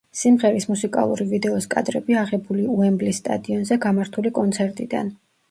სიმღერის მუსიკალური ვიდეოს კადრები აღებული უემბლის სტადიონზე გამართული კონცერტიდან.